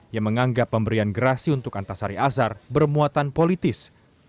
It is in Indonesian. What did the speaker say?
yang menganggap pemberian gerasi untuk antasari azhar bermuatan politis